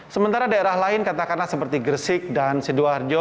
sementara daerah lain katakanlah seperti gresik dan sidoarjo